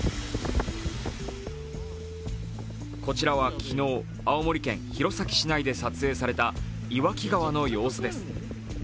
こちらは昨日、青森県弘前市内で撮影された岩木川の様子です。